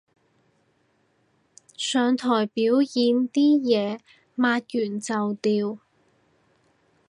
上台表演啲嘢抹完就掉